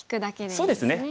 そうですね。